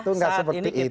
itu nggak seperti itu